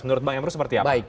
menurut bang emru seperti apa